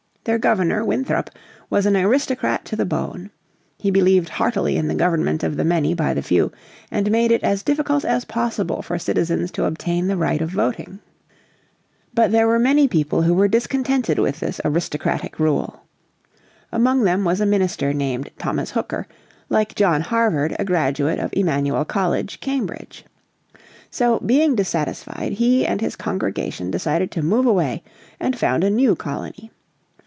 Their Governor, Winthrop, was an aristocrat to the backbone. He believed heartily in the government of the many by the few, and made it as difficult as possible for citizens to obtain the right of voting. But there were many people who were discontented with this aristocratic rule. Among them was a minister named Thomas Hooker, like John Harvard a graduate of Emmanuel College, Cambridge. So, being dissatisfied, he and his congregation decided to move away and found a new colony.